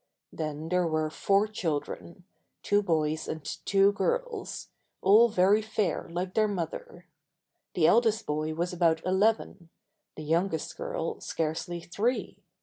Then there were four children two boys and two girls all very fair like their mother. The eldest boy was about eleven, the youngest girl, scarcely three.